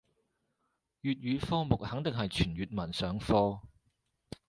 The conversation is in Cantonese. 粵語科目肯定係全粵文上課